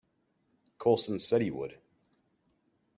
Colsten said he would.